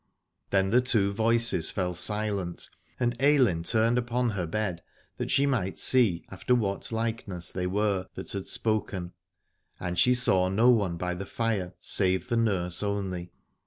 Then the two voices fell silent, and Ailinn turned her upon her bed that she might see after what likeness they were that had spoken. And she saw no one by the fire save the nurse only.